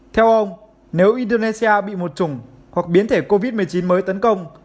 theo ông nếu indonesia bị một chủng hoặc biến thể covid một mươi chín mới tấn công